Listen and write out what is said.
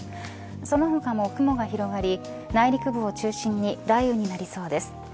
その他も雲が広がり内陸部を中心に雷雨になりそうです。